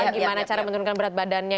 gimana cara menurunkan berat badannya